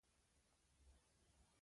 وخت دی، تېرېږي.